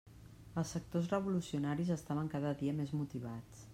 Els sectors revolucionaris estaven cada dia més motivats.